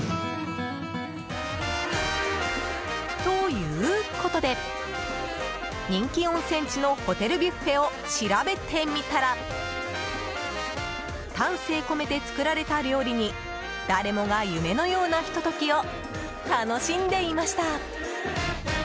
ということで、人気温泉地のホテルビュッフェを調べてみたら丹精込めて作られた料理に誰もが夢のようなひと時を楽しんでいました。